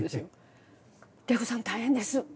「玲子さん大変です！